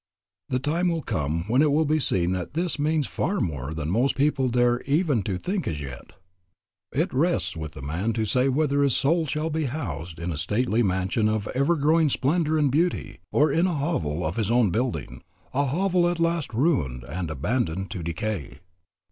The time will come when it will be seen that this means far more than most people dare even to think as yet. "It rests with man to say whether his soul shall be housed in a stately mansion of ever growing splendor and beauty, or in a hovel of his own building, a hovel at last ruined and abandoned to decay."